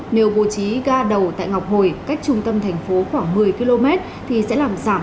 nếu bố trí ga đầu tại ngọc hồi cách trung tâm thành phố khoảng một mươi km thì sẽ làm giảm